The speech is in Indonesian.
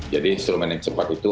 jadi instrumen yang cepat itu